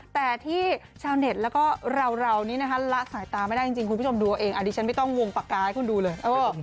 แต่ที่ชาวเน็ตแล้วก็เรานี้นะคะละสายตาไม่ได้จริงคุณผู้ชมดูเอาเองอันนี้ฉันไม่ต้องวงปากกาให้คุณดูเลย